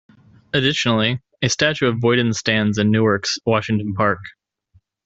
Additionally, a statue of Boyden stands in Newark's Washington Park.